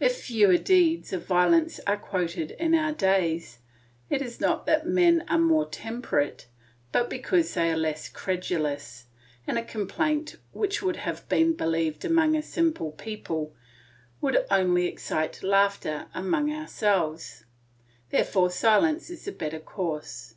If fewer deeds of violence are quoted in our days, it is not that men are more temperate, but because they are less credulous, and a complaint which would have been believed among a simple people would only excite laughter among ourselves; therefore silence is the better course.